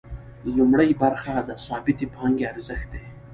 لومړۍ برخه د ثابتې پانګې ارزښت دی